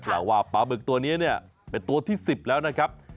ว่าปลาบึกตัวนี้เนี่ยเป็นตัวที่๑๐แล้วนะครับ